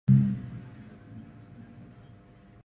No audio.